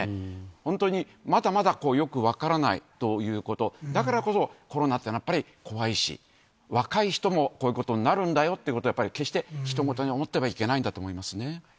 本当に、まだまだよく分からないということ、だからこそ、コロナっていうのはやっぱり怖いし、若い人もこういうことになるんだよということを、やっぱり決してひと事に思ってはいけないんだと思いますね。